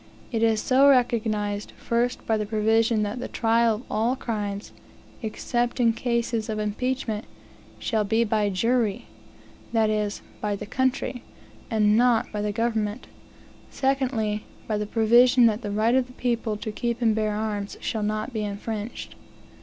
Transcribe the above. It is so recognized, first by the provision that "the trial of all crimes, except in cases of impeachment, shall be by jury" that is, by the country and not by the government; secondly, by the provision that "the right of the people to keep and bear arms shall not be infringed."